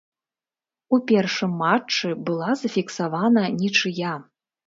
У першым матчы была зафіксавана нічыя.